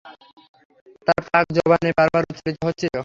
তার পাক জবানে বার বার উচ্চারিত হচ্ছিল।